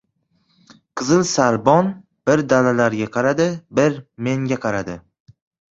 Qizil sorbon bir dalalarim qaradi, bir men qaradi.